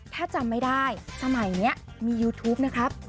ถ้าจำไม่ได้สมัยนี้มียูทูปนะครับ